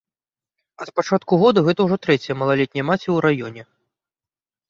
Ад пачатку года гэта ўжо трэцяя малалетняя маці ў раёне.